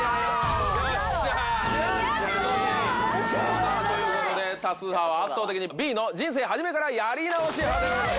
さぁということで多数派は圧倒的にＢの人生初めからやり直し派でございました。